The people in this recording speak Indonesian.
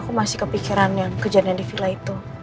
aku masih kepikiran yang kejadian di villa itu